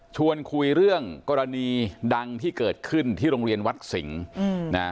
ชวนคุยเรื่องกรณีดังที่เกิดขึ้นที่โรงเรียนวัดสิงห์นะ